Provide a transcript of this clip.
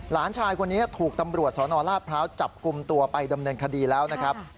หลานชายคนนี้ถูกตำรวจสนราชพร้าวจับกลุ่มตัวไปดำเนินคดีแล้วนะครับ